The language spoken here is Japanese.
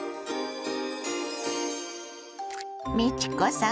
美智子さん